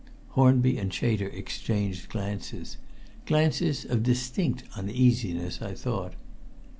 Hornby and Chater exchanged glances glances of distinct uneasiness, I thought.